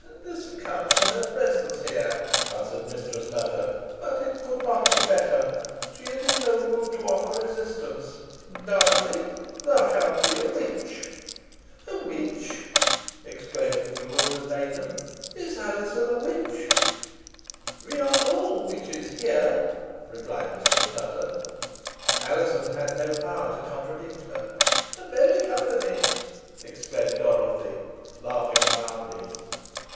"Ha! this accounts for her presence here," muttered Mistress Nutter. "But it could not be better. She is in no mood to offer resistance. Dorothy, thou shalt be a witch." "A witch!" exclaimed the bewildered maiden. "Is Alizon a witch?" "We are all witches here," replied Mistress Nutter. Alizon had no power to contradict her. "A merry company!" exclaimed Dorothy, laughing loudly.